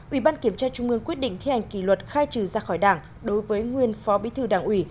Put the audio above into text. ủy ban kiểm tra trung ương quyết định thi hành kỷ luật khai trừ ra khỏi đảng đối với nguyên phó bí thư đảng ủy